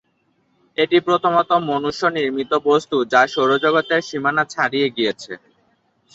এটি প্রথম মনুষ্য নির্মিত বস্তু যা সৌরজগতের সীমানা ছাড়িয়ে গিয়েছে।